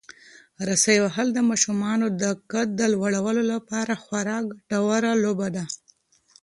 رسۍ وهل د ماشومانو د قد د لوړولو لپاره خورا ګټوره لوبه ده.